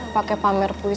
pake pamer puisi